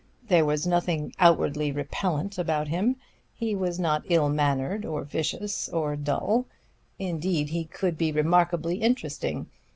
There was nothing outwardly repellent about him. He was not ill mannered, or vicious, or dull indeed, he could be remarkably interesting.